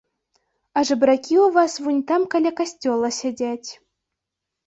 А жабракі ў нас вунь там каля касцёла сядзяць.